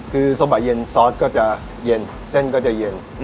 คือส้มบ่ายเย็นซอสก็จะเย็นเส้นก็จะเย็น